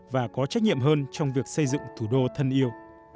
và có trách nhiệm hơn trong việc xây dựng thủ đô thân yêu